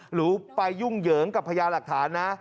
หรือไปยุ่งเหยิงกับพญาหลักฐานนะ